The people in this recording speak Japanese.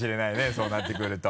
そうなってくると。